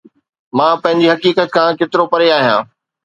مان پنهنجي حقيقت کان ڪيترو پري آهيان